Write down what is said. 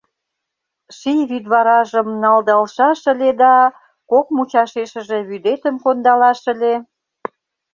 Ший вӱдваражым налдалшаш ыле да, Кок мучашешыже вӱдетым кондалаш ыле.